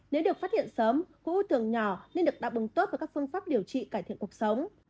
nếu được phát hiện sớm khu ưu thường nhỏ nên được đạp bằng tốt và các phương pháp điều trị cải thiện cuộc sống